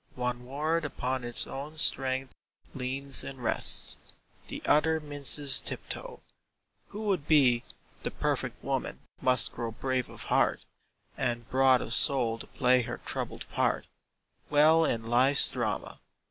One word upon its own strength leans and rests; The other minces tiptoe. Who would be The perfect woman must grow brave of heart And broad of soul to play her troubled part Well in life's drama.